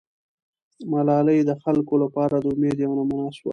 ملالۍ د خلکو لپاره د امید یوه نمونه سوه.